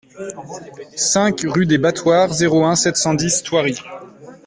cinq rue des Battoirs, zéro un, sept cent dix, Thoiry